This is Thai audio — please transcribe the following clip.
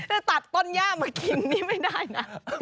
จะตัดต้นย่ามากินนี่ไม่ได้นะ